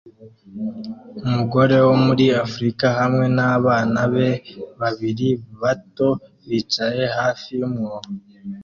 Umugore wo muri Afurika hamwe nabana be babiri bato bicaye hafi yumwobo